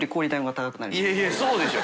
いやいやそうでしょ。